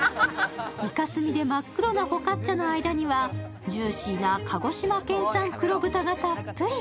イカスミで真っ黒なフォカッチャの間にはジューシーな鹿児島県産黒豚がたっぷり。